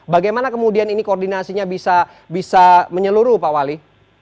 bagaimana kemudian ini koordinasinya bisa menyeluruh pak wali